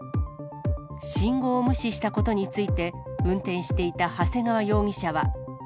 信号を無視したことについて、運転していた長谷川容疑者は。